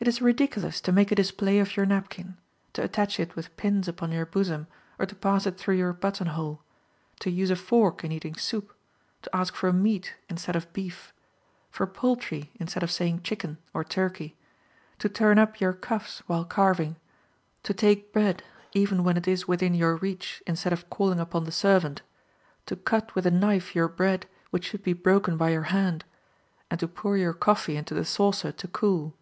It is ridiculous to make a display of your napkin; to attach it with pins upon your bosom, or to pass it through your buttonhole; to use a fork in eating soup; to ask for meat instead of beef; for poultry instead of saying chicken, or turkey; to turn up your cuffs while carving; to take bread, even when it is within your reach, instead of calling upon the servant; to cut with a knife your bread, which should be broken by your hand; and to pour your coffee into the saucer to cool.